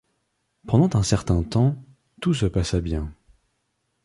Pendant un certain temps, tout se passa bien.